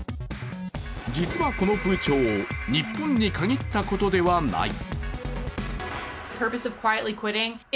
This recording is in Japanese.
実はこの風潮、日本に限ったことではない。